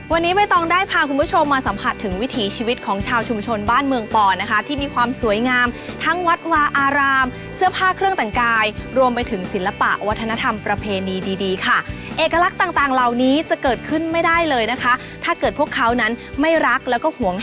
วันนี้ใบตองได้พาคุณผู้ชมมาสัมผัสถึงวิถีชีวิตของชาวชุมชนบ้านเมืองปอนะคะที่มีความสวยงามทั้งวัดวาอารามเสื้อผ้าเครื่องแต่งกายรวมไปถึงศิลปะวัฒนธรรมประเพณีดีดีค่ะเอกลักษณ์ต่างต่างเหล่านี้จะเกิดขึ้นไม่ได้เลยนะคะถ้าเกิดพวกเขานั้นไม่รักแล้วก็ห่วง